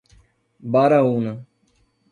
Baraúna